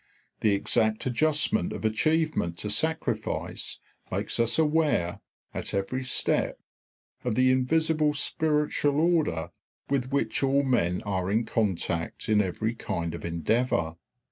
The exact adjustment of achievement to sacrifice makes us aware, at every step, of the invisible spiritual order with which all men are in contact in every kind of endeavour.